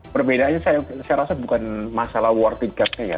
perbedaannya saya rasa bukan masalah worth it cat nya ya